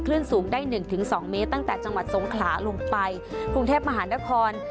สูงได้หนึ่งถึงสองเมตรตั้งแต่จังหวัดสงขลาลงไปกรุงเทพมหานคร